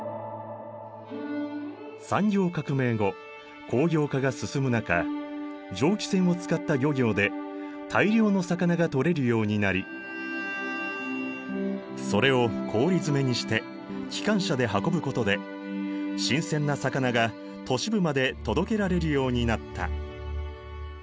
産業革命後工業化が進む中蒸気船を使った漁業で大量の魚が取れるようになりそれを氷詰めにして機関車で運ぶことで新鮮な魚が都市部まで届けられるようになった。